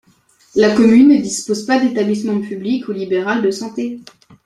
La commune ne dispose pas d'établissement public ou libéral de santé.